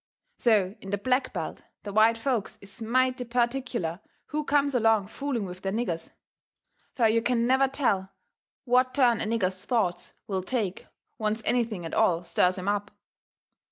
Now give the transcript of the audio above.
So in the black belt the white folks is mighty pertic'ler who comes along fooling with their niggers. Fur you can never tell what turn a nigger's thoughts will take, once anything at all stirs 'em up.